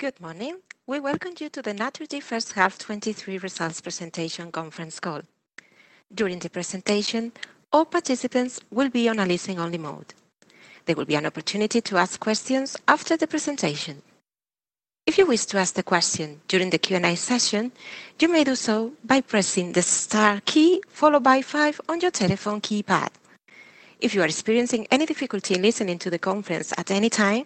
Good morning. We welcome you to the Naturgy H1 2023 results presentation conference call. During the presentation, all participants will be on a listen-only mode. There will be an opportunity to ask questions after the presentation. If you wish to ask the question during the Q&A session, you may do so by pressing the star key, followed by five on your telephone keypad. If you are experiencing any difficulty in listening to the conference at any time,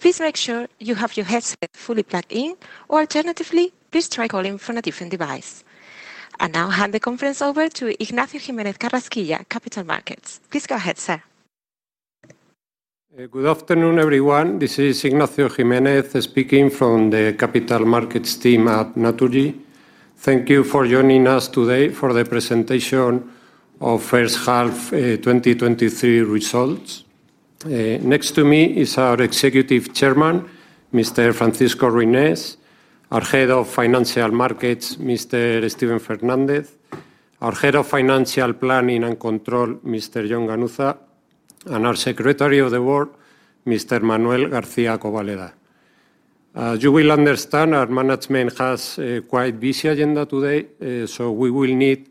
please make sure you have your headset fully plugged in, or alternatively, please try calling from a different device. I now hand the conference over to Ignacio Jiménez Carrasquilla, Capital Markets. Please go ahead, sir. Good afternoon, everyone. This is Ignacio Jiménez, speaking from the Capital Markets team at Naturgy. Thank you for joining us today for the presentation of H1 2023 results. Next to me is our Executive Chairman, Mr. Francisco Reynés; our Head of Financial Markets, Mr. Steven Fernández; our Head of Financial Planning and Control, Mr. Jon Ganuza; and our Secretary of the Board, Mr. Manuel García Cobaleda. As you will understand, our management has a quite busy agenda today, so we will need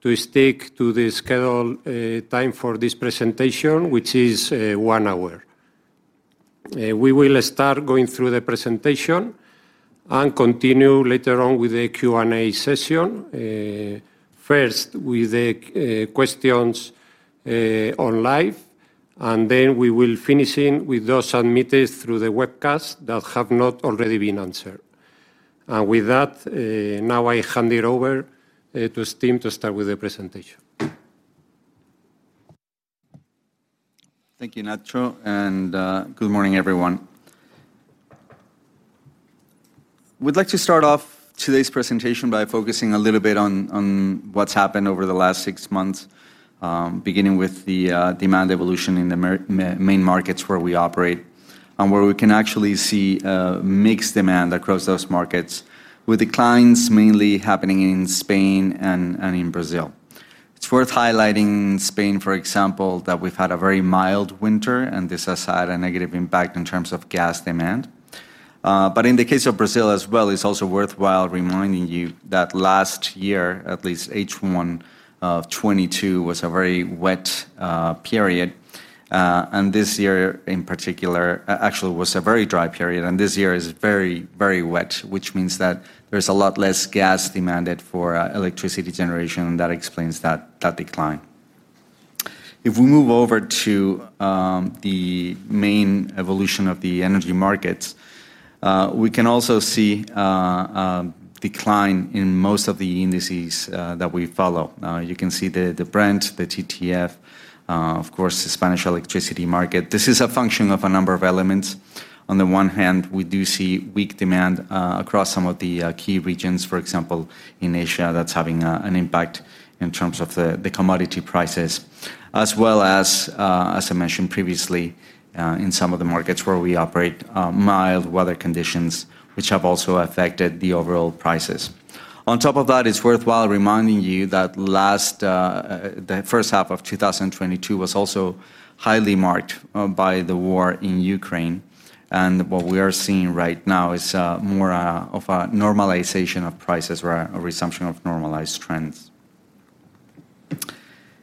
to stick to the scheduled time for this presentation, which is 1 hour. We will start going through the presentation and continue later on with a Q&A session, first with the questions on live, and then we will finishing with those submitted through the webcast that have not already been answered. With that, now I hand it over to Steve to start with the presentation. Thank you, Ignacio. Good morning, everyone. We'd like to start off today's presentation by focusing a little bit on what's happened over the last 6 months, beginning with the demand evolution in the main markets where we operate and where we can actually see mixed demand across those markets, with declines mainly happening in Spain and in Brazil. It's worth highlighting Spain, for example, that we've had a very mild winter. This has had a negative impact in terms of gas demand. In the case of Brazil as well, it's also worthwhile reminding you that last year, at least H1 of 2022, was a very wet period. This year in particular, actually, was a very dry period, and this year is very, very wet, which means that there's a lot less gas demanded for electricity generation, and that explains that decline. If we move over to the main evolution of the energy markets, we can also see decline in most of the indices that we follow. You can see the Brent, the TTF, of course, the Spanish electricity market. This is a function of a number of elements. On the one hand, we do see weak demand across some of the key regions, for example, in Asia. That's having an impact in terms of the commodity prices, as well as I mentioned previously, in some of the markets where we operate, mild weather conditions, which have also affected the overall prices. On top of that, it's worthwhile reminding you that last the H1 of 2022 was also highly marked by the war in Ukraine. What we are seeing right now is more of a normalization of prices or a resumption of normalized trends.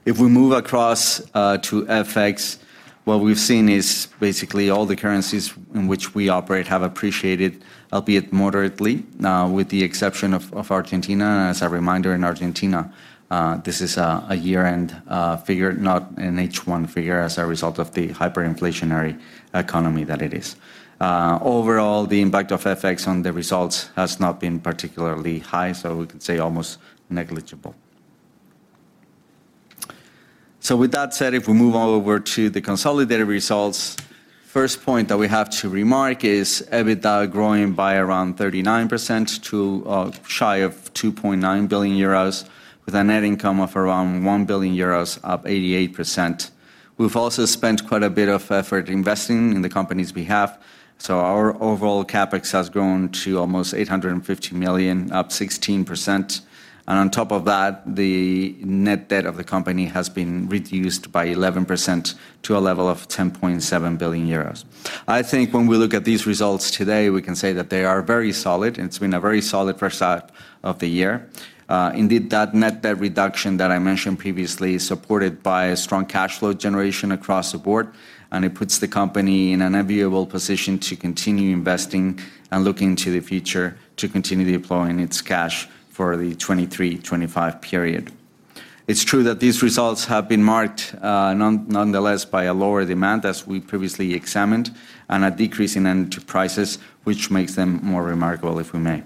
If we move across to FX, what we've seen is basically all the currencies in which we operate have appreciated, albeit moderately, with the exception of Argentina. As a reminder, in Argentina, this is a year-end figure, not an H1 figure, as a result of the hyperinflationary economy that it is. Overall, the impact of FX on the results has not been particularly high, so we can say almost negligible. With that said, if we move over to the consolidated results, first point that we have to remark is EBITDA growing by around 39% to shy of 2.9 billion euros, with a net income of around 1 billion euros, up 88%. We've also spent quite a bit of effort investing in the company's behalf, so our overall CapEx has grown to almost 850 million, up 16%. On top of that, the net debt of the company has been reduced by 11% to a level of 10.7 billion euros. I think when we look at these results today, we can say that they are very solid, and it's been a very solid H1 of the year. Indeed, that net debt reduction that I mentioned previously is supported by a strong cash flow generation across the board. It puts the company in an enviable position to continue investing and looking to the future to continue deploying its cash for the 2023-2025 period. It's true that these results have been marked nonetheless by a lower demand, as we previously examined, and a decrease in energy prices, which makes them more remarkable, if we may.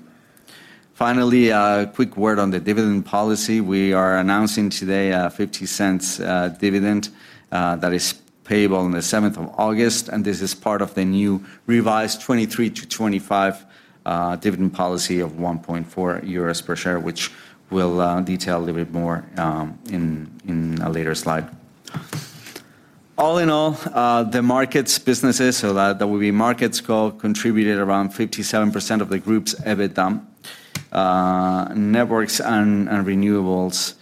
Finally, a quick word on the dividend policy. We are announcing today a 0.50 dividend that is payable on the 7th of August. This is part of the new revised 2023-2025 dividend policy of 1.4 euros per share, which we'll detail a little bit more in a later slide. All in all, the markets businesses, so that will be markets call, contributed around 57% of the group's EBITDA. Networks and renewables,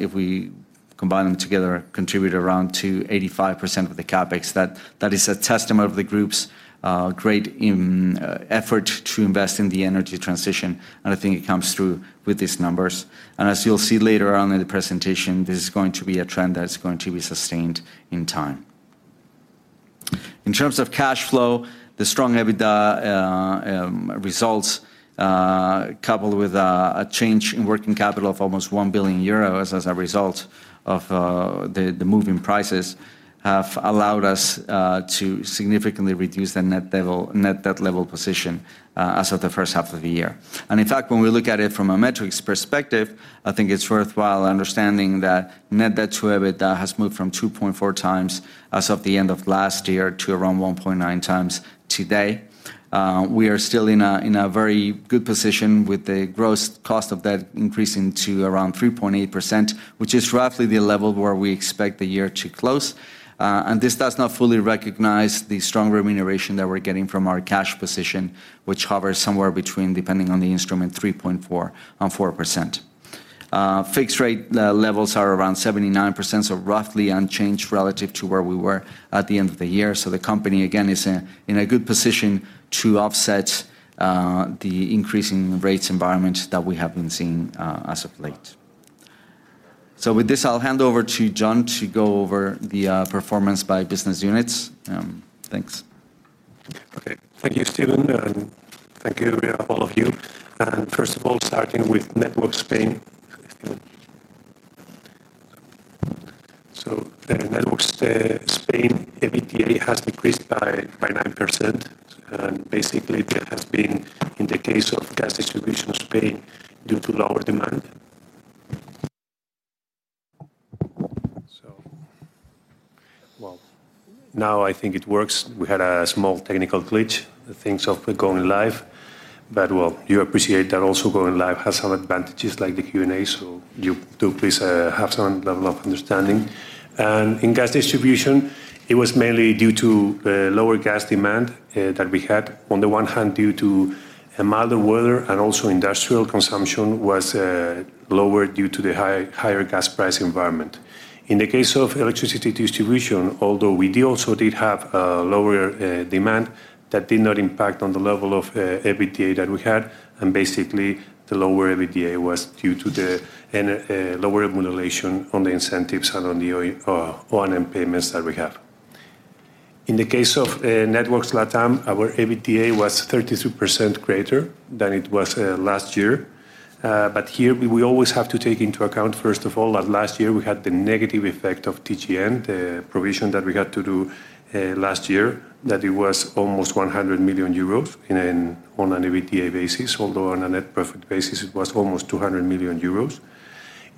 if we combine them together, contribute around 85% of the CapEx. That is a testament of the group's great effort to invest in the energy transition, I think it comes through with these numbers. As you'll see later on in the presentation, this is going to be a trend that is going to be sustained in time. In terms of cash flow, the strong EBITDA results, coupled with a change in working capital of almost 1 billion euros as a result of the moving prices, have allowed us to significantly reduce the net debt level position as of the H1 of the year. In fact, when we look at it from a metrics perspective, I think it's worthwhile understanding that net debt to EBITDA has moved from 2.4x as of the end of last year to around 1.9x today. We are still in a very good position with the gross cost of debt increasing to around 3.8%, which is roughly the level where we expect the year to close. This does not fully recognize the strong remuneration that we're getting from our cash position, which hovers somewhere between, depending on the instrument, 3.4% and 4%. Fixed rate levels are around 79%, so roughly unchanged relative to where we were at the end of the year. The company, again, is in a good position to offset the increasing rates environment that we have been seeing as of late. With this, I'll hand over to Jon to go over the performance by business units. Thanks. Okay. Thank you, Steven, thank you, all of you. First of all, starting with Networks Spain. The Networks Spain EBITDA has decreased by 9%, basically that has been in the case of gas distribution Spain, due to lower demand. Well, now I think it works. We had a small technical glitch, the things of going live. Well, you appreciate that also going live has some advantages, like the Q&A, so you do please have some level of understanding. In gas distribution, it was mainly due to lower gas demand that we had on the one hand due to a milder weather, also industrial consumption was lower due to the higher gas price environment. In the case of electricity distribution, although we did have a lower demand, that did not impact on the level of EBITDA that we had, and basically the lower EBITDA was due to the lower accumulation on the incentives and on payments that we have. In the case of Networks LATAM, our EBITDA was 32% greater than it was last year. Here we always have to take into account, first of all, that last year we had the negative effect of TGN, the provision that we had to do last year, that it was almost 100 million euros on an EBITDA basis, although on a net profit basis it was almost 200 million euros.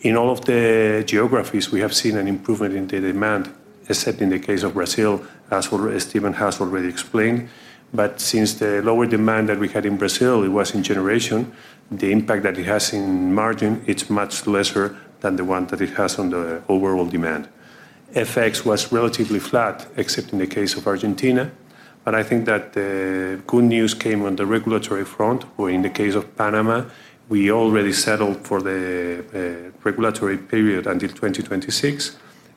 In all of the geographies, we have seen an improvement in the demand, except in the case of Brazil, as well, as Steven has already explained. Since the lower demand that we had in Brazil, it was in generation, the impact that it has in margin, it's much lesser than the one that it has on the overall demand. FX was relatively flat, except in the case of Argentina, but I think that the good news came on the regulatory front, or in the case of Panama, we already settled for the regulatory period until 2026,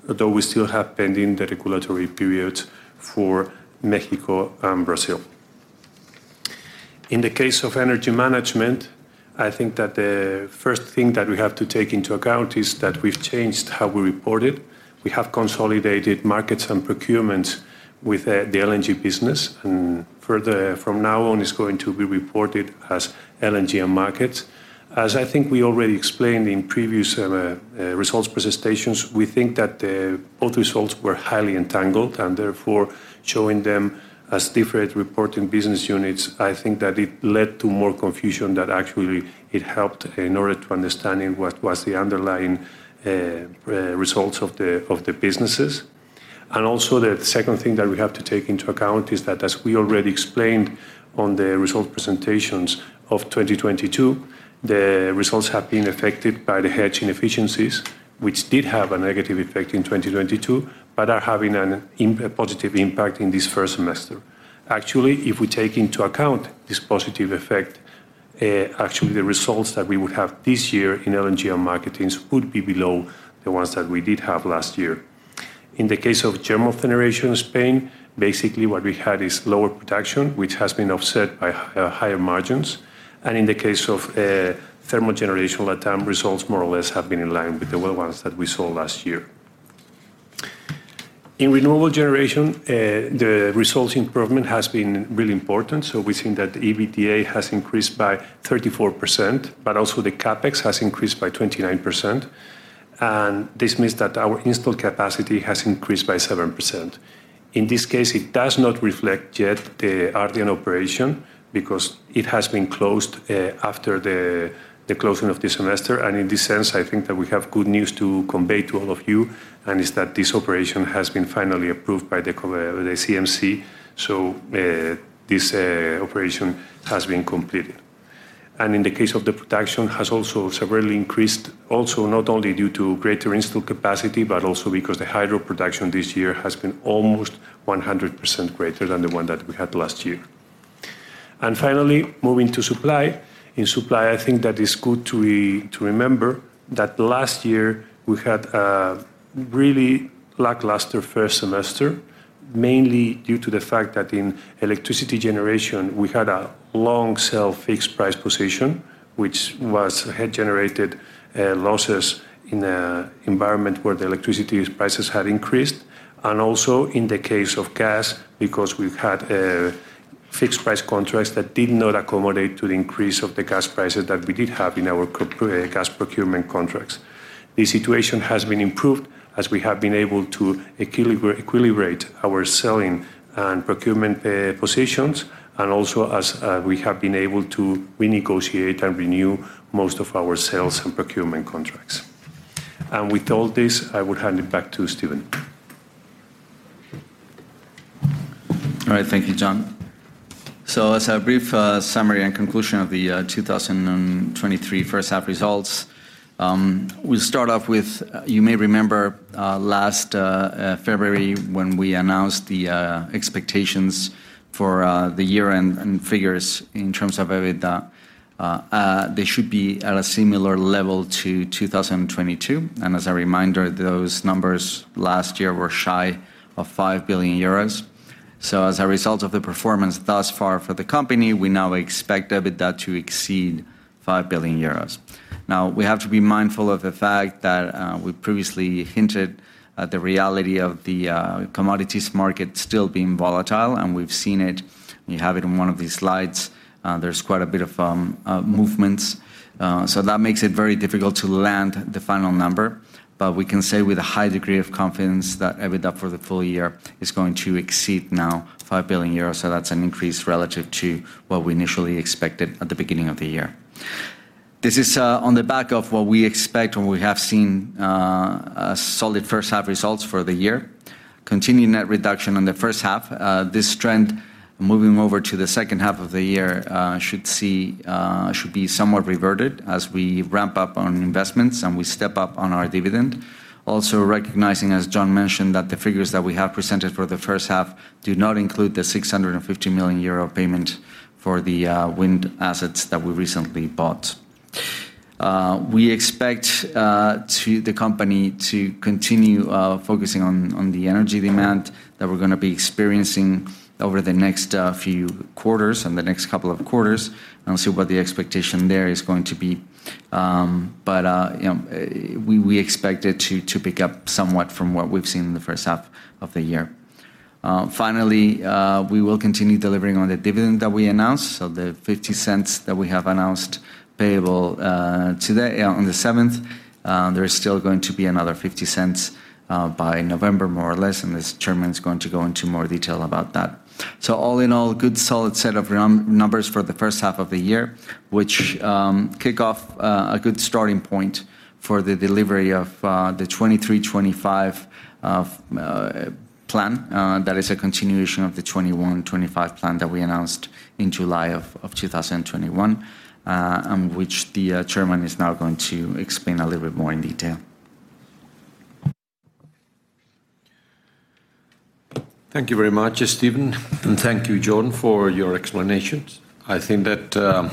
although we still have pending the regulatory periods for Mexico and Brazil. In the case of energy management, I think that the first thing that we have to take into account is that we've changed how we report it. We have consolidated markets and procurements with the LNG business, and further, from now on, it's going to be reported as LNG and markets. As I think we already explained in previous results presentations, we think that both results were highly entangled, and therefore, showing them as different reporting business units, I think that it led to more confusion that actually it helped in order to understanding what was the underlying results of the businesses. The second thing that we have to take into account is that, as we already explained on the result presentations of 2022, the results have been affected by the hedging efficiencies, which did have a negative effect in 2022, but are having a positive impact in this first semester. Actually, if we take into account this positive effect, actually the results that we would have this year in LNG and markets would be below the ones that we did have last year. In the case of thermal generation Spain, basically what we had is lower production, which has been offset by higher margins. In the case of thermal generation, LATAM results more or less have been in line with the ones that we saw last year. In renewable generation, the results improvement has been really important, so we think that EBITDA has increased by 34%, but also the CapEx has increased by 29%. This means that our installed capacity has increased by 7%. In this case, it does not reflect yet the Ardian operation because it has been closed after the closing of this semester. In this sense, I think that we have good news to convey to all of you. It's that this operation has been finally approved by the CNMC. This operation has been completed. In the case of the production, has also severely increased, also not only due to greater installed capacity, but also because the hydro production this year has been almost 100% greater than the one that we had last year. Finally, moving to supply. In supply, I think that it's good to remember that last year we had a really lackluster first semester, mainly due to the fact that in electricity generation, we had a long sell fixed price position, which was had generated losses in a environment where the electricity prices had increased, and also in the case of gas, because we've had fixed price contracts that did not accommodate to the increase of the gas prices that we did have in our gas procurement contracts. The situation has been improved as we have been able to equilibrate our selling and procurement positions, and also as we have been able to renegotiate and renew most of our sales and procurement contracts. With all this, I would hand it back to Steven. All right, thank you, Jon. As a brief summary and conclusion of the 2023 H1 results, we'll start off with, you may remember last February, when we announced the expectations for the year-end and figures in terms of EBITDA, they should be at a similar level to 2022. As a reminder, those numbers last year were shy of 5 billion euros. As a result of the performance thus far for the company, we now expect EBITDA to exceed 5 billion euros. We have to be mindful of the fact that we previously hinted at the reality of the commodities market still being volatile, and we've seen it. We have it in one of these slides. There's quite a bit of movements that makes it very difficult to land the final number. We can say with a high degree of confidence that EBITDA for the full year is going to exceed now 5 billion euros, that's an increase relative to what we initially expected at the beginning of the year. This is on the back of what we expect when we have seen a solid H1 results for the year. Continued net reduction on the H1. This trend, moving over to the H2 of the year, should see should be somewhat reverted as we ramp up on investments and we step up on our dividend. Also, recognizing, as Jon mentioned, that the figures that we have presented for the H1 do not include the 650 million euro payment for the wind assets that we recently bought. We expect to the company to continue focusing on the energy demand that we're gonna be experiencing over the next few quarters and the next couple of quarters, and we'll see what the expectation there is going to be. You know, we expect it to pick up somewhat from what we've seen in the H1 of the year. Finally, we will continue delivering on the dividend that we announced, the 0.50 that we have announced payable today, on the 7th, there is still going to be another 0.50 by November, more or less, and the Chairman's going to go into more detail about that. All in all, good, solid set of numbers for the H1 of the year, which kick off a good starting point for the delivery of the 2023-2025 plan. That is a continuation of the 2021-2025 plan that we announced in July of 2021, and which the Chairman is now going to explain a little bit more in detail. Thank you very much, Steven, and thank you, Jon, for your explanations. I think that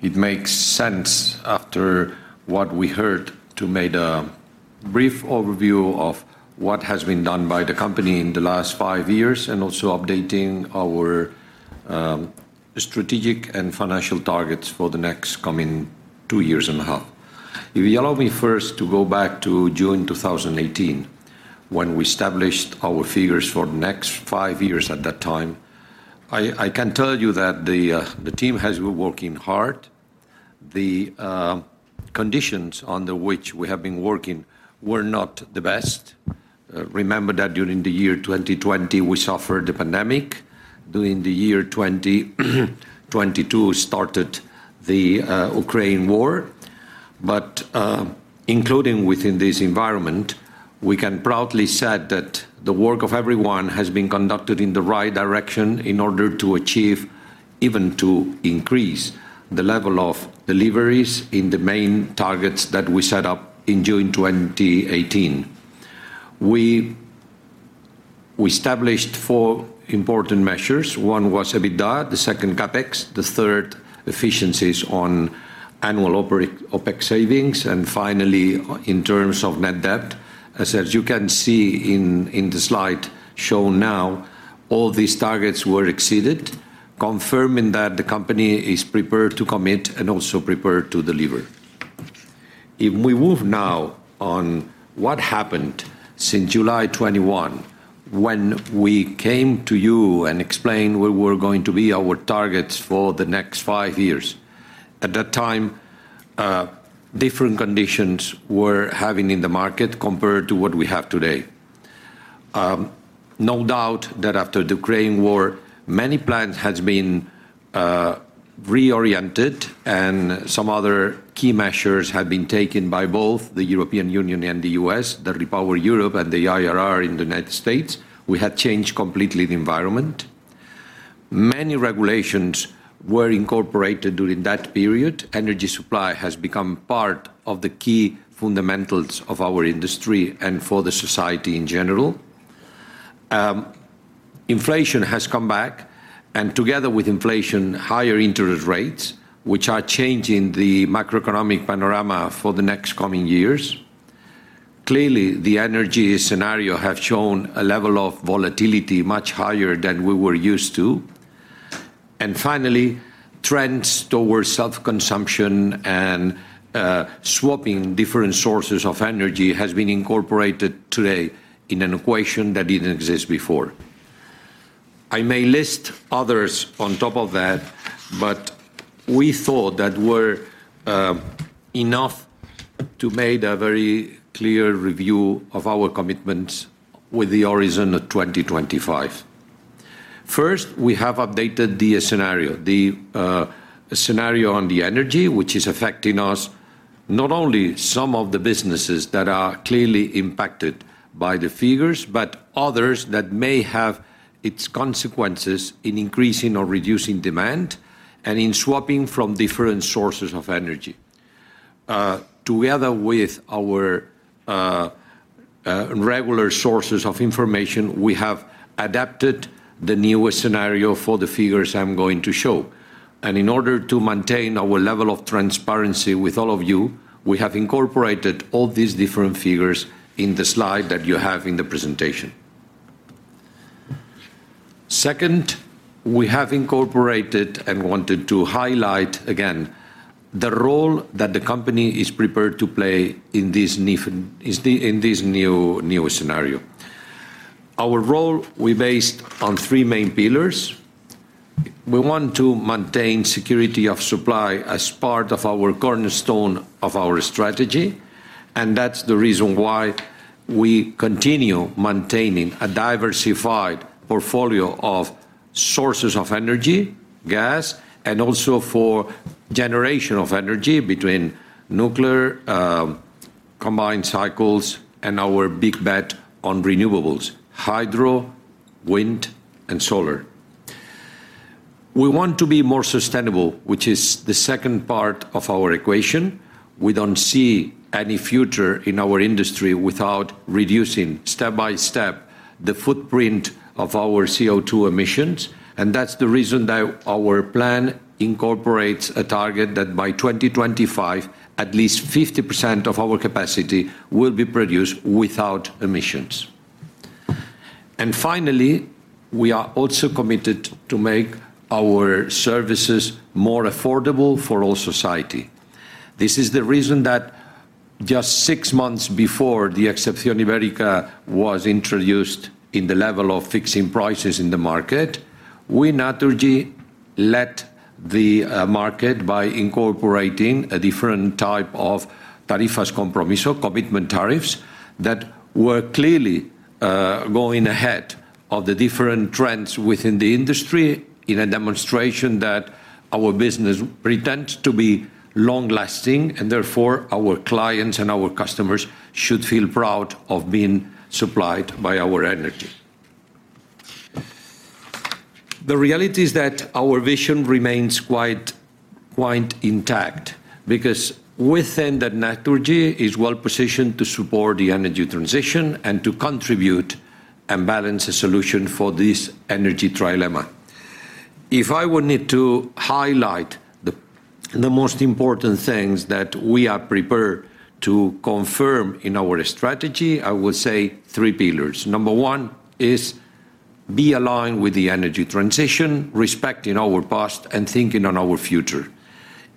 it makes sense after what we heard to make a brief overview of what has been done by the company in the last five years, and also updating our strategic and financial targets for the next coming two years and a half. If you allow me first to go back to June 2018, when we established our figures for the next five years at that time, I can tell you that the team has been working hard. The conditions under which we have been working were not the best. Remember that during the year 2020, we suffered the pandemic. During the year 2022 started the Ukraine war. Including within this environment, we can proudly said that the work of everyone has been conducted in the right direction in order to achieve, even to increase, the level of deliveries in the main targets that we set up in June 2018. We established four important measures. One was EBITDA, the second CapEx, the third, efficiencies on annual OpEx savings, and finally, in terms of net debt. As you can see in the slide shown now, all these targets were exceeded, confirming that the company is prepared to commit and also prepared to deliver. If we move now on what happened since July 2021, when we came to you and explained what were going to be our targets for the next five years. At that time, different conditions were having in the market compared to what we have today. No doubt that after the Ukraine war, many plans has been reoriented and some other key measures have been taken by both the European Union and the US, the REPowerEU and the IRA in the United States, we had changed completely the environment. Many regulations were incorporated during that period. Energy supply has become part of the key fundamentals of our industry and for the society in general. Inflation has come back, together with inflation, higher interest rates, which are changing the macroeconomic panorama for the next coming years. Clearly, the energy scenario have shown a level of volatility much higher than we were used to. Finally, trends towards self-consumption and swapping different sources of energy has been incorporated today in an equation that didn't exist before. I may list others on top of that, but we thought that were enough to make a very clear review of our commitments with the Horizon 2025. First, we have updated the scenario, the scenario on the energy, which is affecting us, not only some of the businesses that are clearly impacted by the figures, but others that may have its consequences in increasing or reducing demand and in swapping from different sources of energy. Together with our regular sources of information, we have adapted the newest scenario for the figures I'm going to show. In order to maintain our level of transparency with all of you, we have incorporated all these different figures in the slide that you have in the presentation. Second, we have incorporated, and wanted to highlight again, the role that the company is prepared to play in this new scenario. Our role we based on three main pillars. We want to maintain security of supply as part of our cornerstone of our strategy, and that's the reason why we continue maintaining a diversified portfolio of sources of energy, gas, and also for generation of energy between nuclear, combined cycles and our big bet on renewables: hydro, wind, and solar. We want to be more sustainable, which is the second part of our equation. We don't see any future in our industry without reducing, step by step, the footprint of our CO2 emissions, and that's the reason that our plan incorporates a target that by 2025, at least 50% of our capacity will be produced without emissions. Finally, we are also committed to make our services more affordable for all society. This is the reason that just six months before the Iberian Exception was introduced in the level of fixing prices in the market, we, Naturgy, led the market by incorporating a different type of tarifas compromiso, commitment tariffs, that were clearly going ahead of the different trends within the industry, in a demonstration that our business pretend to be long-lasting, and therefore, our clients and our customers should feel proud of being supplied by our energy. The reality is that our vision remains quite intact, because within that, Naturgy is well-positioned to support the energy transition and to contribute and balance a solution for this energy trilemma. If I would need to highlight the most important things that we are prepared to confirm in our strategy, I would say three pillars. Number one is be aligned with the energy transition, respecting our past and thinking on our future.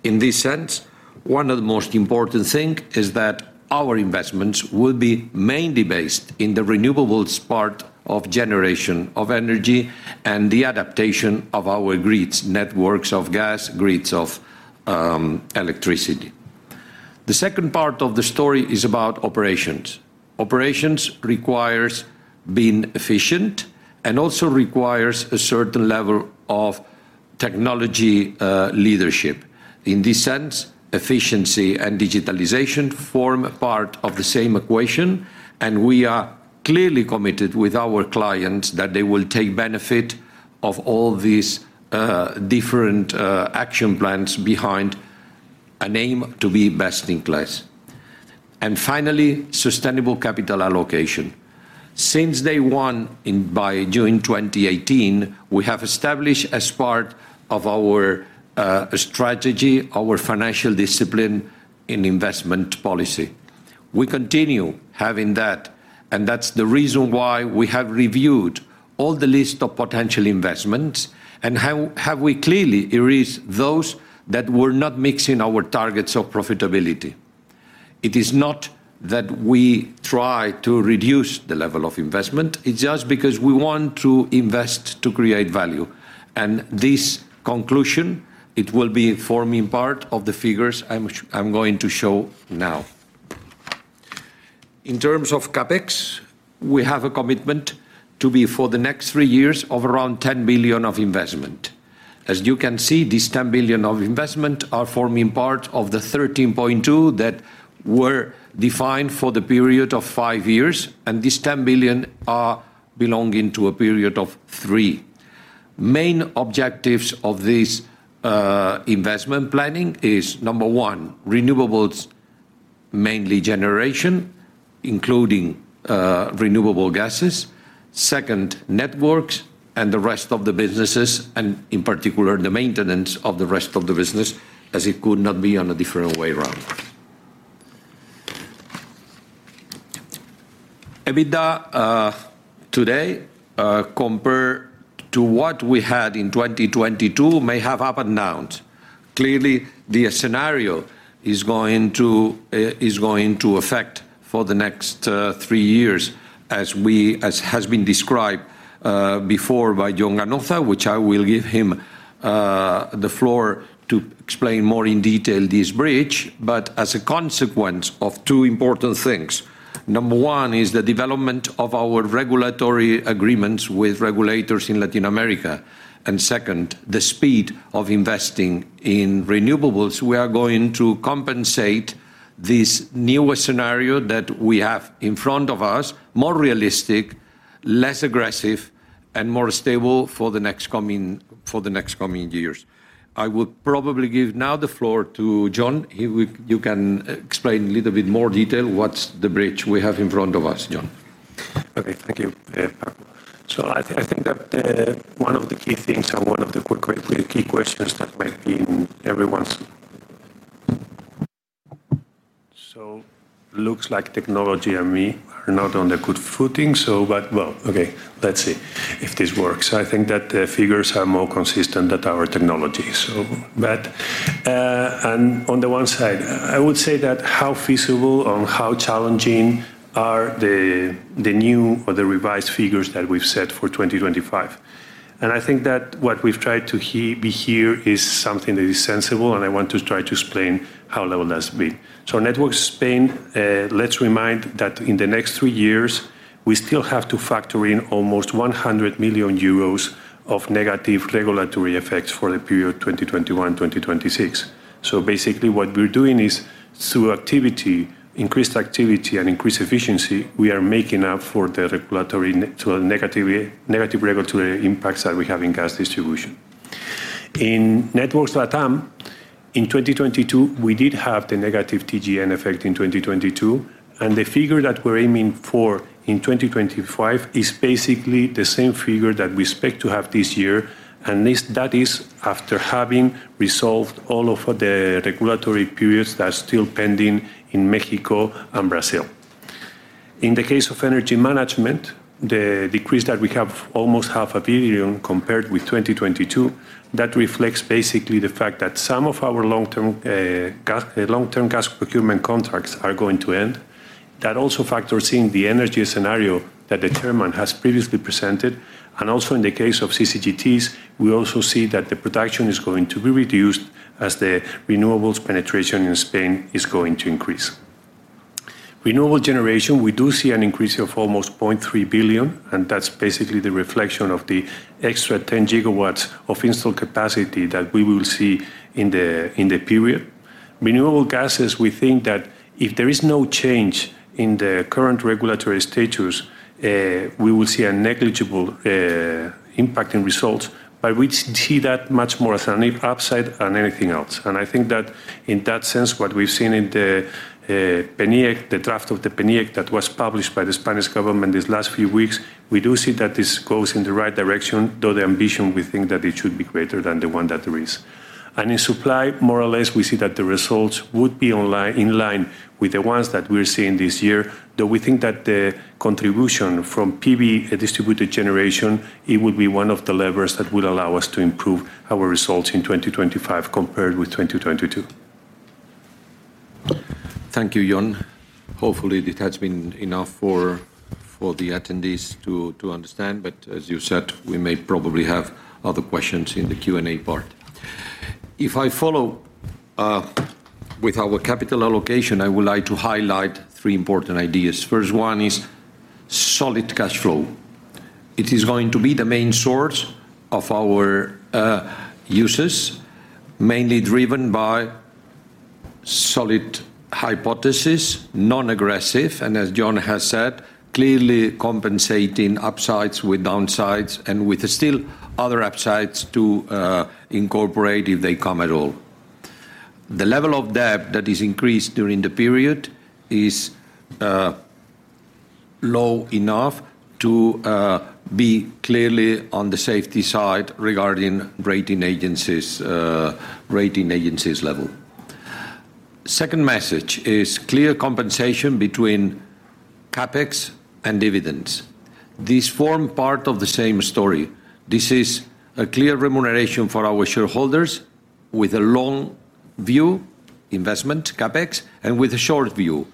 In this sense, one of the most important thing is that our investments will be mainly based in the renewables part of generation of energy and the adaptation of our grids, networks of gas, grids of electricity. The second part of the story is about operations. Operations requires being efficient and also requires a certain level of technology leadership. In this sense, efficiency and digitalization form a part of the same equation. We are clearly committed with our clients that they will take benefit of all these different action plans behind an aim to be best in class. Finally, sustainable capital allocation. Since day one, by June 2018, we have established as part of our strategy, our financial discipline in investment policy. We continue having that's the reason why we have reviewed all the list of potential investments, have we clearly erased those that were not mixing our targets of profitability. It is not that we try to reduce the level of investment, it's just because we want to invest to create value. This conclusion, it will be forming part of the figures I'm going to show now. In terms of CapEx, we have a commitment to be, for the next three years, of around 10 billion of investment. As you can see, this 10 billion of investment are forming part of the 13.2 billion that were defined for the period of five years, and this 10 billion are belonging to a period of three. Main objectives of this investment planning is, number one, renewables. mainly generation, including renewable gases, second, networks, and the rest of the businesses, and in particular, the maintenance of the rest of the business, as it could not be on a different way around. EBITDA today compared to what we had in 2022 may have up and down. Clearly, the scenario is going to affect for the next 3 years, as has been described before by Jon Ganuza, which I will give him the floor to explain more in detail this bridge. As a consequence of two important things: number one is the development of our regulatory agreements with regulators in Latin America, and second, the speed of investing in renewables, we are going to compensate this newer scenario that we have in front of us, more realistic, less aggressive, and more stable for the next coming years. I will probably give now the floor to Jon. You can explain a little bit more detail what's the bridge we have in front of us, Jon. Thank you, Pablo. I think that one of the key things and one of the key questions that might be in everyone's... Looks like technology and me are not on a good footing, let's see if this works. I think that the figures are more consistent than our technology. On the one side, I would say that how feasible and how challenging are the new or the revised figures that we've set for 2025? I think that what we've tried to be here is something that is sensible, and I want to try to explain how well does it be. Networks Spain, let's remind that in the next 3 years, we still have to factor in almost 100 million euros of negative regulatory effects for the period 2021-2026. Basically, what we're doing is, through activity, increased activity and increased efficiency, we are making up for the regulatory negative regulatory impacts that we have in gas distribution. In Networks LATAM, in 2022, we did have the negative TGN effect in 2022, and the figure that we're aiming for in 2025 is basically the same figure that we expect to have this year, and this, that is after having resolved all of the regulatory periods that are still pending in Mexico and Brazil. In the case of energy management, the decrease that we have, almost half a billion compared with 2022, that reflects basically the fact that some of our long-term gas procurement contracts are going to end. That also factors in the energy scenario that the Chairman has previously presented, and also in the case of CCGTs, we also see that the production is going to be reduced as the renewables penetration in Spain is going to increase. Renewable generation, we do see an increase of almost 0.3 billion, and that's basically the reflection of the extra 10 gigawatts of installed capacity that we will see in the period. Renewable gases, we think that if there is no change in the current regulatory status, we will see a negligible impact in results, but we see that much more as an upside than anything else. I think that, in that sense, what we've seen in the PNIEC, the draft of the PNIEC that was published by the Spanish government these last few weeks, we do see that this goes in the right direction, though the ambition, we think that it should be greater than the one that there is. In supply, more or less, we see that the results would be online, in line with the ones that we're seeing this year, though we think that the contribution from PV, a distributed generation, it would be one of the levers that would allow us to improve our results in 2025 compared with 2022. Thank you, Jon. Hopefully, this has been enough for the attendees to understand, but as you said, we may probably have other questions in the Q&A part. If I follow with our capital allocation, I would like to highlight three important ideas. First one is solid cash flow. It is going to be the main source of our uses, mainly driven by solid hypothesis, non-aggressive, and as Jon has said, clearly compensating upsides with downsides and with still other upsides to incorporate if they come at all. The level of debt that is increased during the period is low enough to be clearly on the safety side regarding rating agencies level. Second message is clear compensation between CapEx and dividends. These form part of the same story. This is a clear remuneration for our shareholders with a long-view investment, CapEx, and with a short view,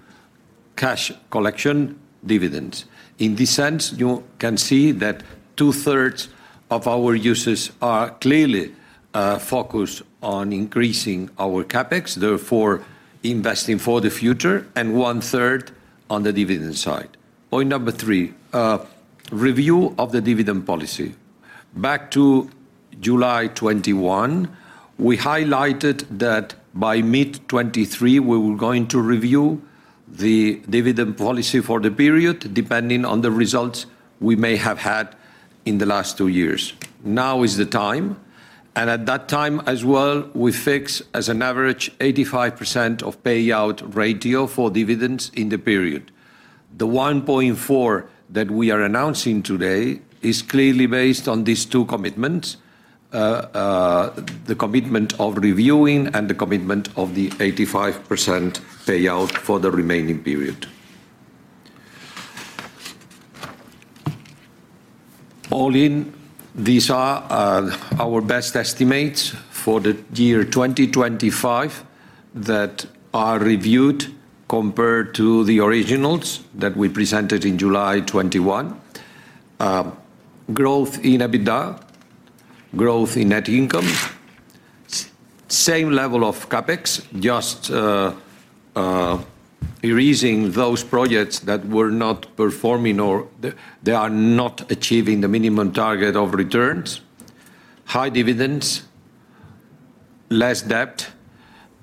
cash collection, dividends. In this sense, you can see that two-thirds of our uses are clearly focused on increasing our CapEx, therefore investing for the future, and one-third on the dividend side. Point number 3, review of the dividend policy. Back to July 2021, we highlighted that by mid-2023, we were going to review the dividend policy for the period, depending on the results we may have had in the last 2 years. Now is the time, and at that time as well, we fix as an average, 85% of payout ratio for dividends in the period. The 1.4 that we are announcing today is clearly based on these two commitments, the commitment of reviewing and the commitment of the 85% payout for the remaining period. All in, these are our best estimates for the year 2025, that are reviewed compared to the originals that we presented in July 2021. Growth in EBITDA, growth in net income, same level of CapEx, just erasing those projects that were not performing or they are not achieving the minimum target of returns, high dividends, less debt,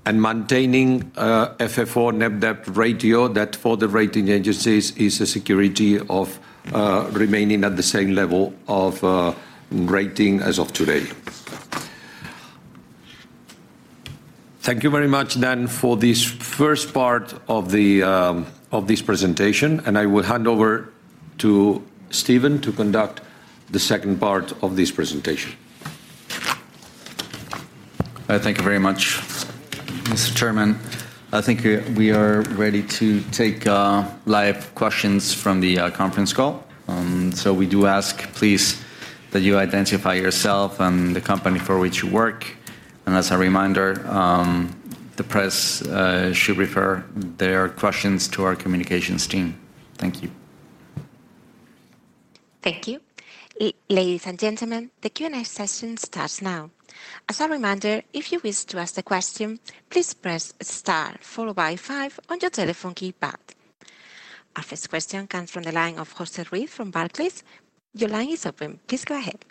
and maintaining FFO net debt ratio, that for the rating agencies, is a security of remaining at the same level of rating as of today. Thank you very much then, for this first part of the, of this presentation, and I will hand over to Steven to conduct the second part of this presentation. Thank you very much, Mr. Chairman. I think we are ready to take live questions from the conference call. We do ask, please, that you identify yourself and the company for which you work. As a reminder, the press should refer their questions to our communications team. Thank you. Thank you. Ladies and gentlemen, the Q&A session starts now. As a reminder, if you wish to ask a question, please press star followed by five on your telephone keypad. Our first question comes from the line of Jose Ruiz from Barclays. Your line is open. Please go ahead.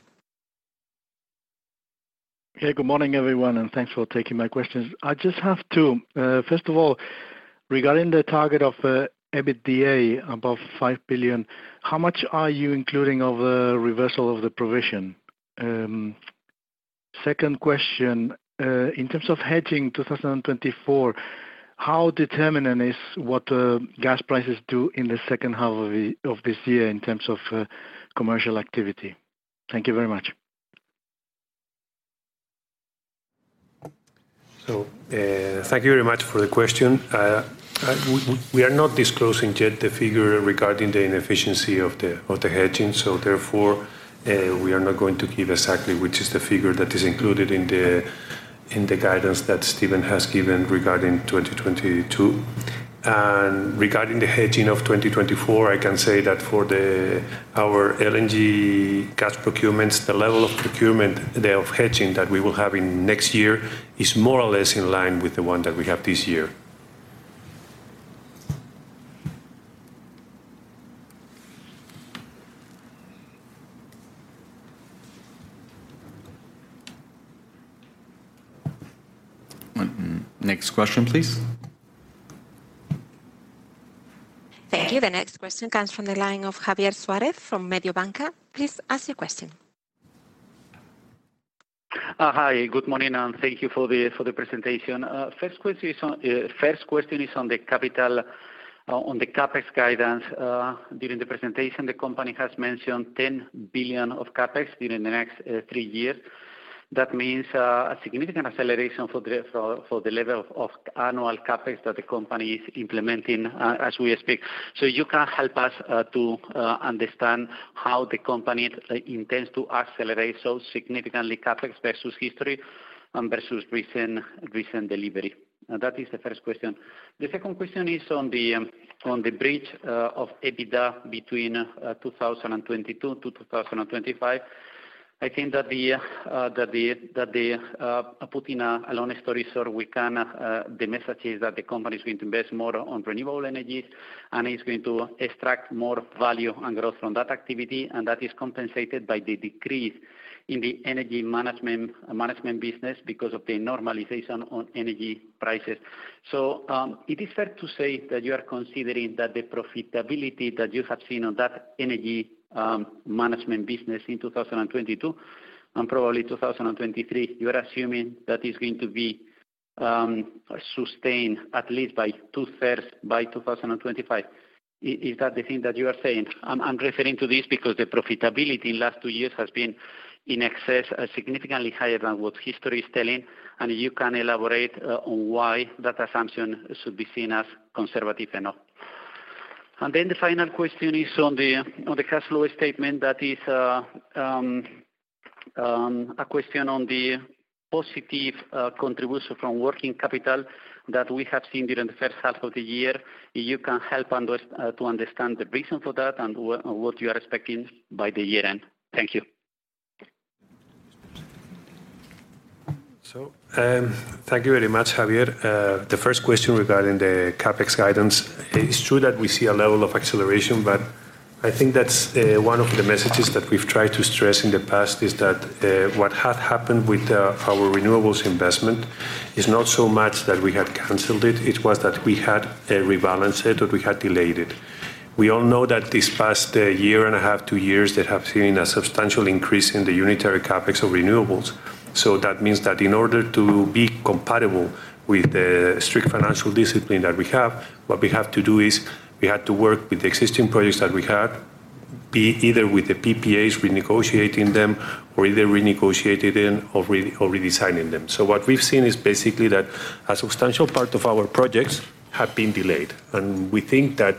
Hey, good morning, everyone, and thanks for taking my questions. I just have two. First of all, regarding the target of, EBITDA, above 5 billion, how much are you including of the reversal of the provision? Second question, in terms of hedging 2024, how determinant is what, gas prices do in the H2 of this year in terms of, commercial activity? Thank you very much. Thank you very much for the question. We are not disclosing yet the figure regarding the inefficiency of the hedging, therefore, we are not going to give exactly which is the figure that is included in the guidance that Steven has given regarding 2022. Regarding the hedging of 2024, I can say that for our LNG gas procurements, the level of hedging that we will have in next year is more or less in line with the one that we have this year. Next question, please. Thank you. The next question comes from the line of Javier Suarez from Mediobanca. Please ask your question. Hi, good morning, and thank you for the presentation. First question is on the capital, on the CapEx guidance. During the presentation, the company has mentioned 10 billion of CapEx during the next 3 years. That means a significant acceleration for the level of annual CapEx that the company is implementing as we speak. You can help us to understand how the company intends to accelerate so significantly CapEx versus history and versus recent delivery? That is the first question. The second question is on the bridge of EBITDA between 2022 to 2025. I think that the putting a lonely story so we can. The message is that the company is going to invest more on renewable energies. It's going to extract more value and growth from that activity, and that is compensated by the decrease in the energy management business because of the normalization on energy prices. It is fair to say that you are considering that the profitability that you have seen on that energy management business in 2022, and probably 2023, you are assuming that it's going to be sustained at least by 2/3 by 2025. Is that the thing that you are saying? I'm referring to this because the profitability in last 2 years has been in excess, significantly higher than what history is telling. You can elaborate on why that assumption should be seen as conservative enough. The final question is on the cash flow statement. That is a question on the positive contribution from working capital that we have seen during the H1 of the year. You can help to understand the reason for that and what you are expecting by the year end. Thank you. Thank you very much, Javier. The first question regarding the CapEx guidance, it's true that we see a level of acceleration.... I think that's one of the messages that we've tried to stress in the past, is that what had happened with our renewables investment is not so much that we had canceled it was that we had rebalanced it or we had delayed it. We all know that this past year and a half, 2 years, they have seen a substantial increase in the unitary CapEx of renewables. That means that in order to be compatible with the strict financial discipline that we have, what we have to do is we had to work with the existing projects that we had, be either with the PPAs, renegotiating them, or either renegotiating or redesigning them. What we've seen is basically that a substantial part of our projects have been delayed, and we think that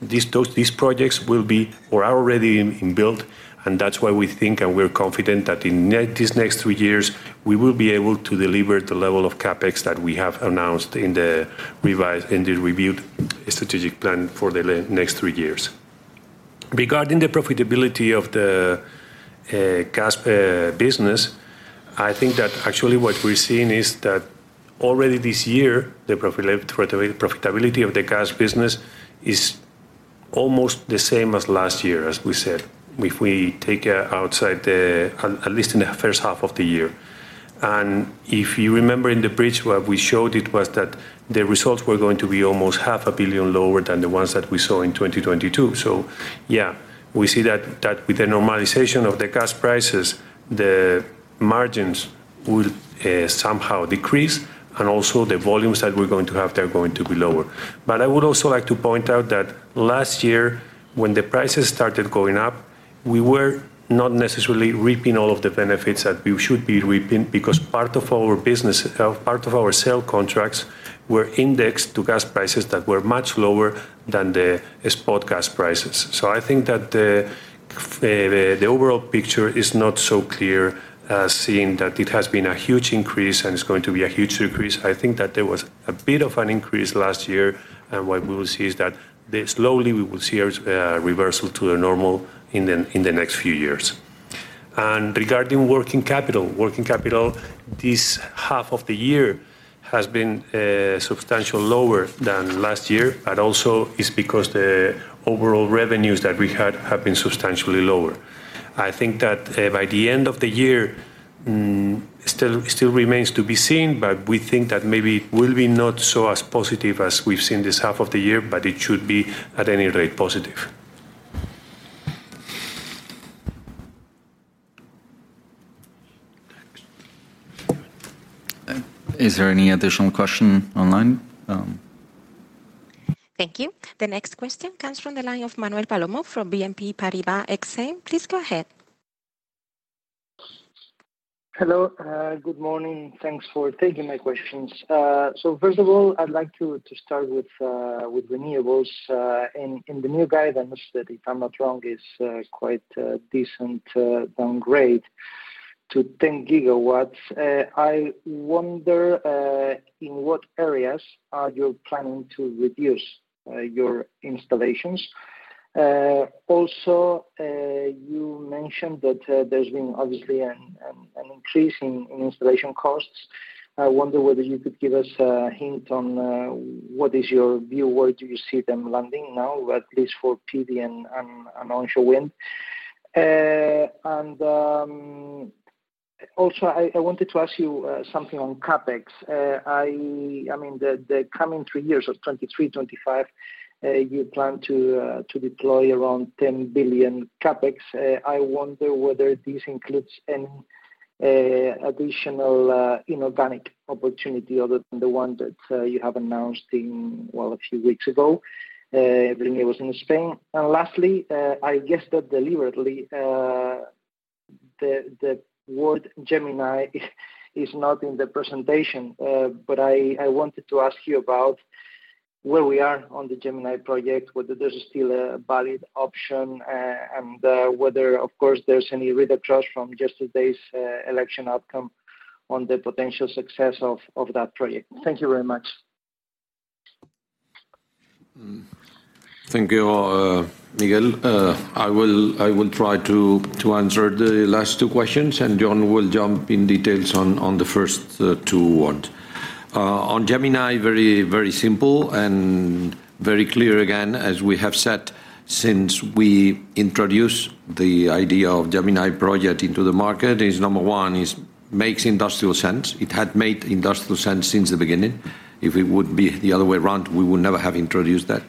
these projects will be or are already in built, and that's why we think and we're confident that in these next three years, we will be able to deliver the level of CapEx that we have announced in the revised, in the reviewed strategic plan for the next three years. Regarding the profitability of the gas business, I think that actually what we're seeing is that already this year, the profitability of the gas business is almost the same as last year, as we said. If we take outside the... At least in the H1 of the year. If you remember in the bridge where we showed, it was that the results were going to be almost 0.5 billion lower than the ones that we saw in 2022. We see that with the normalization of the gas prices, the margins will somehow decrease, and also the volumes that we're going to have, they're going to be lower. I would also like to point out that last year, when the prices started going up, we were not necessarily reaping all of the benefits that we should be reaping, because part of our business, part of our sale contracts were indexed to gas prices that were much lower than the spot gas prices. I think that the overall picture is not so clear, seeing that it has been a huge increase and it's going to be a huge decrease. I think that there was a bit of an increase last year, and what we will see is that slowly, we will see a reversal to the normal in the next few years. Regarding working capital, working capital this half of the year has been substantial lower than last year, but also it's because the overall revenues that we had have been substantially lower. I think that by the end of the year, it still remains to be seen, but we think that maybe it will be not so as positive as we've seen this half of the year, but it should be, at any rate, positive. Is there any additional question online? Thank you. The next question comes from the line of Manuel Palomo from BNP Paribas Exane. Please go ahead. Hello, good morning. Thanks for taking my questions. First of all, I'd like to start with renewables. In the new guidance that, if I'm not wrong, is quite a decent downgrade to 10 gigawatts, I wonder in what areas are you planning to reduce your installations? Also, you mentioned that there's been obviously an increase in installation costs. I wonder whether you could give us a hint on what is your view? Where do you see them landing now, at least for PV and onshore wind? And also, I wanted to ask you something on CapEx. I mean, the coming 3 years of 2023, 2025, you plan to deploy around 10 billion CapEx. I wonder whether this includes any additional inorganic opportunity other than the one that you have announced in, well, a few weeks ago, when it was in Spain. Lastly, I guess that deliberately, the word Gemini is not in the presentation, but I wanted to ask you about where we are on the Gemini Project, whether this is still a valid option, and whether, of course, there's any redress from yesterday's election outcome on the potential success of that project. Thank you very much. Thank you, Manuel. I will try to answer the last two questions, and Jon will jump in details on the first two one. On Gemini, very, very simple and very clear again, as we have said since we introduced the idea of Gemini project into the market, is number one, is makes industrial sense. It had made industrial sense since the beginning. If it would be the other way around, we would never have introduced that.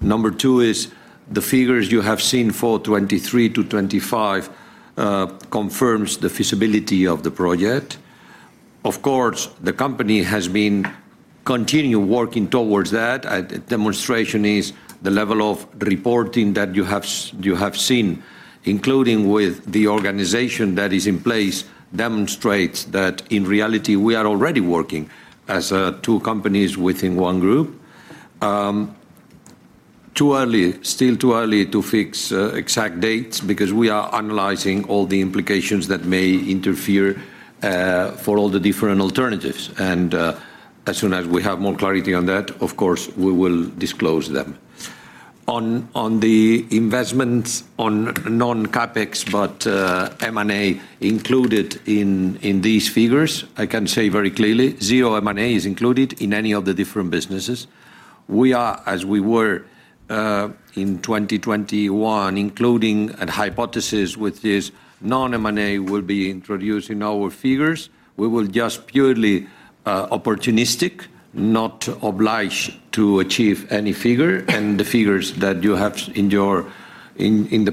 Number two is the figures you have seen for 2023 to 2025, confirms the feasibility of the project. Of course, the company has been continue working towards that. Demonstration is the level of reporting that you have seen, including with the organization that is in place, demonstrates that, in reality, we are already working as two companies within one group. Too early, still too early to fix exact dates, because we are analyzing all the implications that may interfere for all the different alternatives. As soon as we have more clarity on that, of course, we will disclose them. On the investments on non-CapEx, but M&A included in these figures, I can say very clearly, zero M&A is included in any of the different businesses.... we are, as we were, in 2021, including a hypothesis with this non-M&A will be introduced in our figures. We will just purely opportunistic, not obliged to achieve any figure. The figures that you have in your, in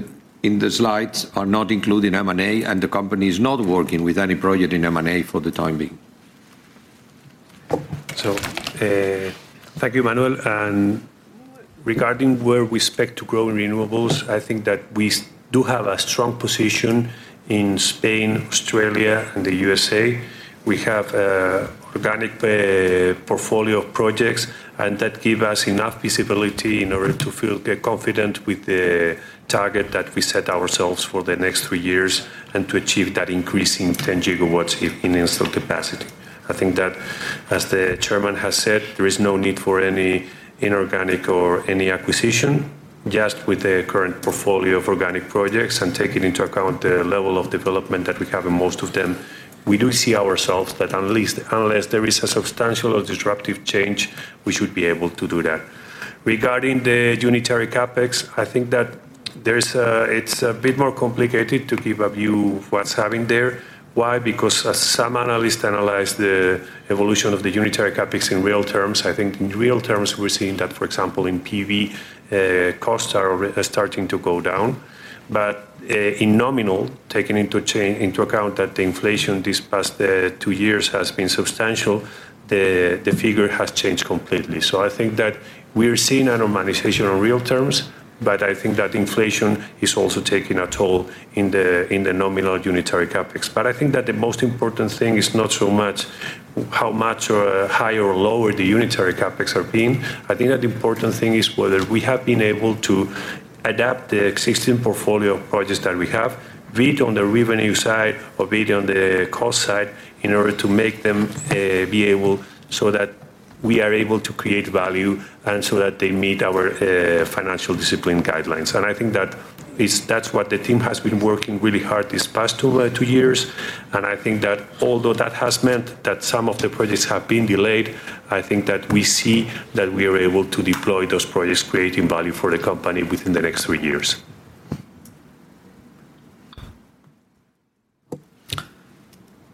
the slides are not including M&A. The company is not working with any project in M&A for the time being. Thank you, Manuel. Regarding where we expect to grow in renewables, I think that we do have a strong position in Spain, Australia, and the USA. We have a organic portfolio of projects, that give us enough visibility in order to feel confident with the target that we set ourselves for the next three years, to achieve that increase in 10 gigawatts in installed capacity. I think that, as the chairman has said, there is no need for any inorganic or any acquisition. Just with the current portfolio of organic projects, taking into account the level of development that we have in most of them, we do see ourselves that unless there is a substantial or disruptive change, we should be able to do that. Regarding the unitary CapEx, I think that there's. It's a bit more complicated to give a view of what's happening there. Why? Because, as some analysts analyze the evolution of the unitary CapEx in real terms, I think in real terms we're seeing that, for example, in PV, costs are starting to go down. In nominal, taking into account that the inflation these past, two years has been substantial, the figure has changed completely. I think that we're seeing a normalization in real terms, but I think that inflation is also taking a toll in the nominal unitary CapEx. I think that the most important thing is not so much how much or higher or lower the unitary CapEx are being. I think that the important thing is whether we have been able to adapt the existing portfolio of projects that we have, be it on the revenue side or be it on the cost side, in order to make them be able so that we are able to create value, and so that they meet our financial discipline guidelines. I think that's what the team has been working really hard these past two years. I think that although that has meant that some of the projects have been delayed, I think that we see that we are able to deploy those projects, creating value for the company within the next three years.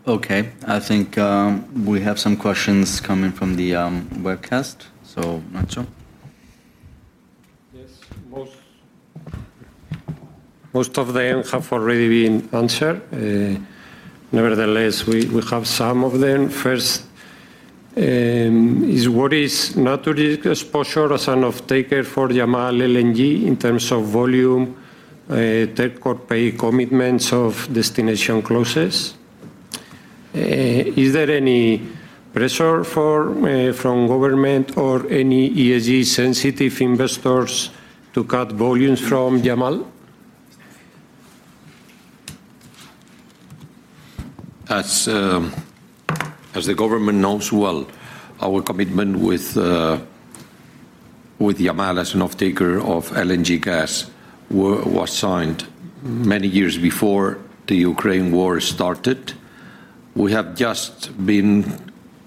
Okay, I think, we have some questions coming from the webcast, Nacho? Yes, most of them have already been answered. Nevertheless, we have some of them. First, is, "What is Naturgy's exposure as an offtaker for Yamal LNG in terms of volume, take-or-pay commitments of destination clauses? Is there any pressure from government or any ESG-sensitive investors to cut volumes from Yamal? As the government knows well, our commitment with Yamal as an offtaker of LNG gas was signed many years before the Ukraine war started. We have just been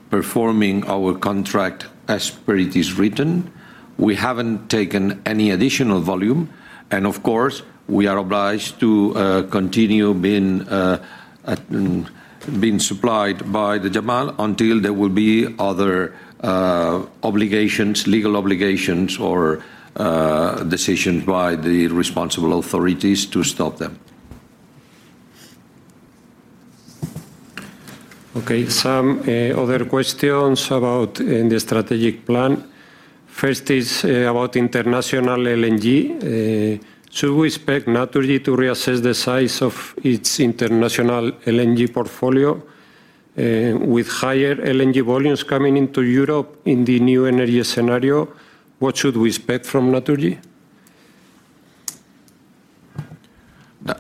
performing our contract as per it is written. We haven't taken any additional volume, and of course, we are obliged to continue being supplied by the Yamal until there will be other obligations, legal obligations or decisions by the responsible authorities to stop them. Okay, some other questions about in the strategic plan. First is about international LNG. "Should we expect Naturgy to reassess the size of its international LNG portfolio, with higher LNG volumes coming into Europe in the new energy scenario? What should we expect from Naturgy?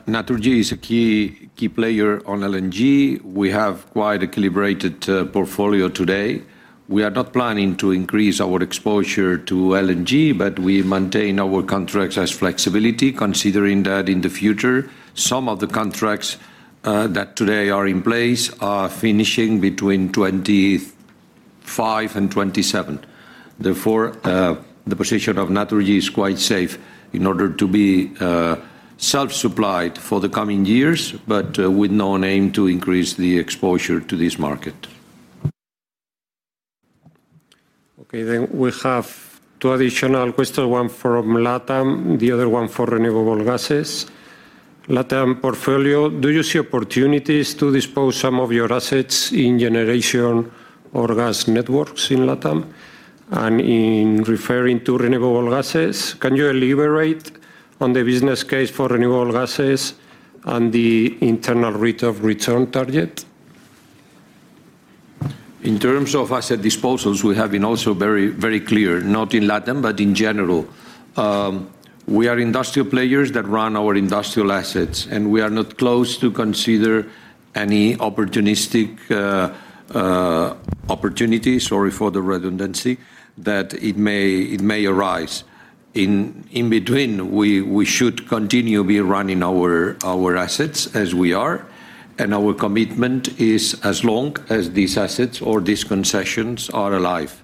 Naturgy is a key player on LNG. We have quite a calibrated portfolio today. We are not planning to increase our exposure to LNG, but we maintain our contracts as flexibility, considering that in the future some of the contracts that today are in place are finishing between 25 and '27. Therefore, the position of Naturgy is quite safe in order to be self-supplied for the coming years, but with no aim to increase the exposure to this market. Okay, we have 2 additional question, one from Latam, the other one for renewable gases. Latam portfolio: "Do you see opportunities to dispose some of your assets in generation or gas networks in Latam?" In referring to renewable gases: "Can you elaborate on the business case for renewable gases and the internal rate of return target? In terms of asset disposals, we have been also very clear, not in LATAM, but in general, we are industrial players that run our industrial assets. We are not close to consider any opportunistic opportunities, sorry for the redundancy, that it may arise. In between, we should continue be running our assets as we are. Our commitment is as long as these assets or these concessions are alive.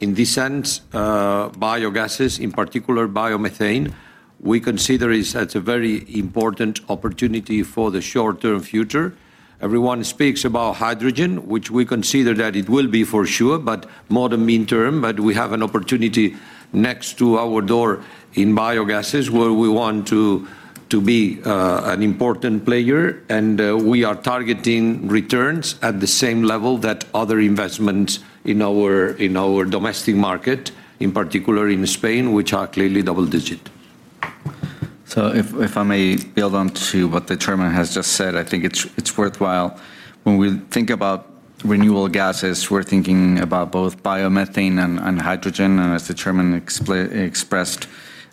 In this sense, biogases, in particular biomethane, we consider as a very important opportunity for the short-term future. Everyone speaks about hydrogen, which we consider that it will be for sure, but more the midterm. We have an opportunity next to our door in biogases, where we want to be an important player, and we are targeting returns at the same level that other investments in our domestic market, in particular in Spain, which are clearly double digit. If I may build on to what the chairman has just said, I think it's worthwhile. When we think about renewable gases, we're thinking about both biomethane and hydrogen, as the chairman expressed,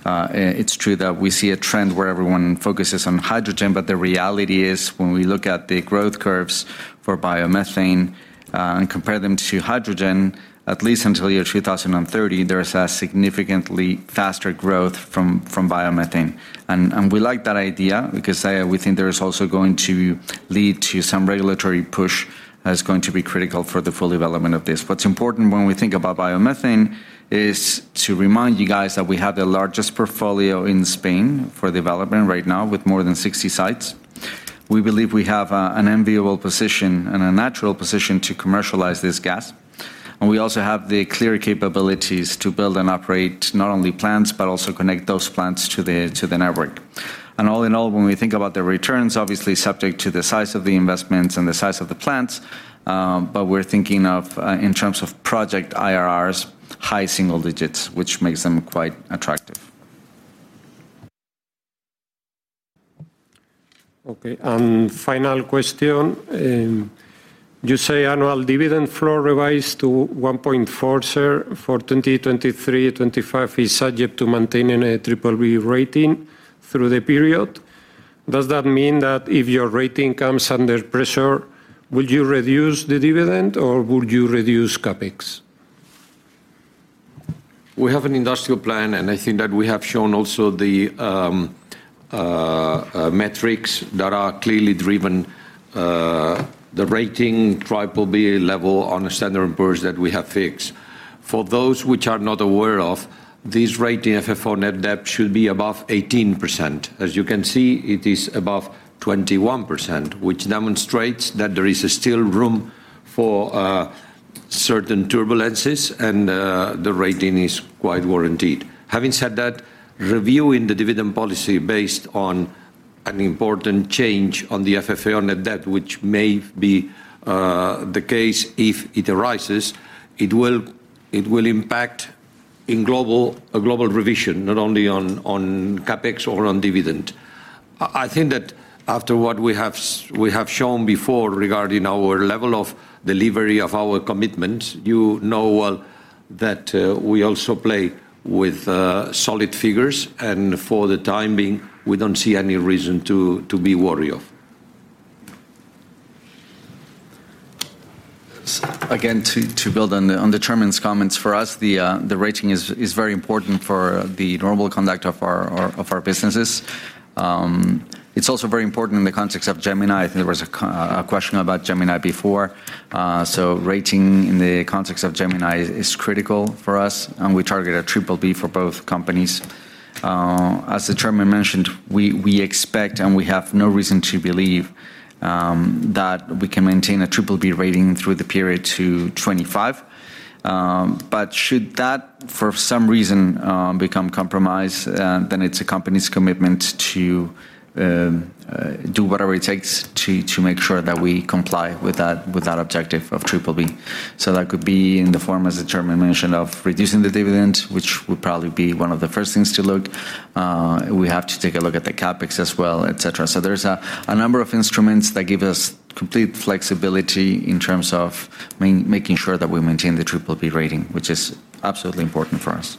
it's true that we see a trend where everyone focuses on hydrogen. The reality is, when we look at the growth curves for biomethane and compare them to hydrogen, at least until the year 2030, there is a significantly faster growth from biomethane. We like that idea because we think there is also going to lead to some regulatory push that is going to be critical for the full development of this. What's important when we think about biomethane is to remind you guys that we have the largest portfolio in Spain for development right now, with more than 60 sites. We believe we have an enviable position and a natural position to commercialize this gas, and we also have the clear capabilities to build and operate not only plants, but also connect those plants to the network. All in all, when we think about the returns, obviously subject to the size of the investments and the size of the plants, but we're thinking of in terms of project IRRs, high single digits, which makes them quite attractive. Okay, final question: you say annual dividend floor revised to 1.4 share for 2023, 2025 is subject to maintaining a BBB rating through the period. Does that mean that if your rating comes under pressure, would you reduce the dividend or would you reduce CapEx? We have an industrial plan, and I think that we have shown also the metrics that are clearly driven the rating BBB level on the Standard & Poor's that we have fixed. For those which are not aware of, this rating, FFO net debt should be above 18%. As you can see, it is above 21%, which demonstrates that there is still room for certain turbulences, and the rating is quite warranted. Having said that, reviewing the dividend policy based on an important change on the FFO net debt, which may be the case if it arises, it will impact in a global revision, not only on CapEx or on dividend. I think that after what we have shown before regarding our level of delivery of our commitment, you know well that, we also play with solid figures, and for the time being, we don't see any reason to be worried of. Again, to build on the Chairman's comments, for us, the rating is very important for the normal conduct of our businesses. It's also very important in the context of Gemini. I think there was a question about Gemini before. Rating in the context of Gemini is critical for us, and we target a BBB for both companies. As the Chairman mentioned, we expect, and we have no reason to believe, that we can maintain a BBB rating through the period to 2025. But should that, for some reason, become compromised, then it's the company's commitment to do whatever it takes to make sure that we comply with that objective of BBB. That could be in the form, as the Chairman mentioned, of reducing the dividend, which would probably be one of the first things to look. We have to take a look at the CapEx as well, et cetera. There's a number of instruments that give us complete flexibility in terms of making sure that we maintain the BBB rating, which is absolutely important for us.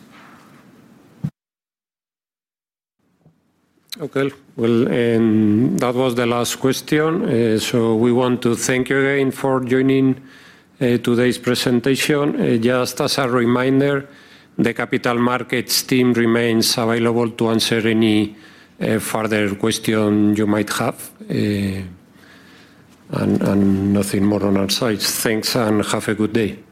Okay. Well, that was the last question. We want to thank you again for joining today's presentation. Just as a reminder, the Capital Markets team remains available to answer any further question you might have. Nothing more on our side. Thanks, and have a good day.